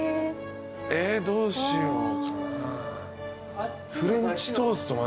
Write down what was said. えどうしようかな。